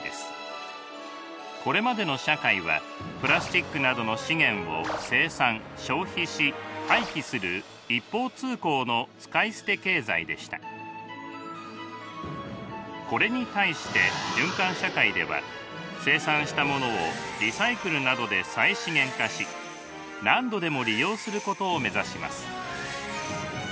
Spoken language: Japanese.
これまでの社会はプラスチックなどの資源を生産消費し廃棄する一方通行のこれに対して循環社会では生産したものをリサイクルなどで再資源化し何度でも利用することを目指します。